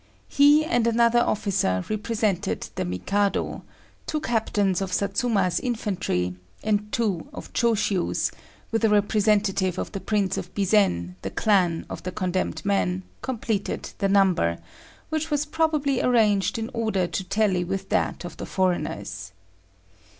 He and another officer represented the Mikado; two captains of Satsuma's infantry, and two of Choshiu's, with a representative of the Prince of Bizen, the clan of the condemned man, completed the number, which was probably arranged in order to tally with that of the foreigners.